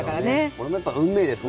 これも運命です